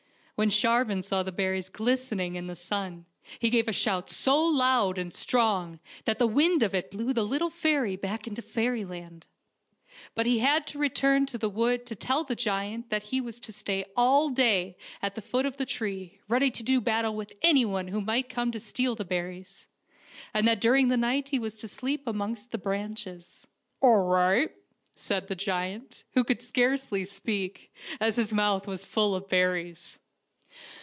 When Sharvan saw the berries glistening in the sun, he gave a shout so loud and strong that the wind of it blew the little fairy back to fairyland. But he had to return to the wood to tell the giant that he was to stay all day at the foot of the tree ready to do battle with any one who might come to steal the berries, and that during the night he was to sleep amongst the branches. THE FAIRY TREE OF DOOROS 113 " All right/' said the giant, who could scarcely speak, as his mouth was full of berries.